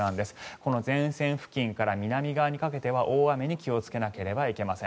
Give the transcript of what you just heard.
この前線付近から南側にかけては大雨に気をつけなければいけません。